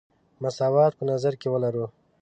مساوات په نظر کې ولرو.